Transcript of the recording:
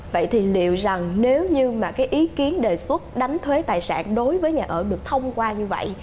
vậy thì liệu rằng nếu như mà cái ý kiến đề xuất đánh thuế tài sản đối với nhà ở được thông qua như vậy